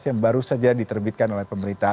yang baru saja diterbitkan oleh pemerintah